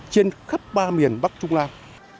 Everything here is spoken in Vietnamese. trên khắp ba miền bắc trung lan